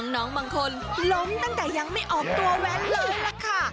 น้องบางคนล้มตั้งแต่ยังไม่ออกตัวแว้นล้มละค่ะ